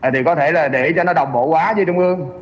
thì có thể là để cho nó đồng bộ quá với trung ương